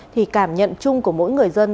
thì cảm nhận chung của mỗi người dân